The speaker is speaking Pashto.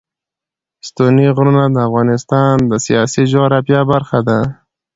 ستوني غرونه د افغانستان د سیاسي جغرافیه برخه ده.